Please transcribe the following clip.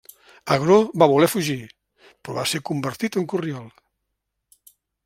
Agró va voler fugir, però va ser convertit en corriol.